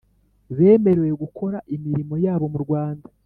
Bemerewe gukora imirimo yabo mu Rwanda